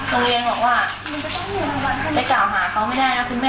โรงเรียนบอกว่าไปกล่าวหาเขาไม่ได้นะคุณแม่